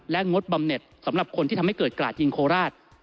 งดบำเน็ตสำหรับคนที่ทำให้เกิดกราดยิงโคราช